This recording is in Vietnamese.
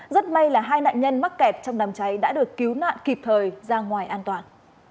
rất may là hai nạn nhân mắc kẹt trong đám cháy đã được cứu nạn kịp thời ra ngoài an toàn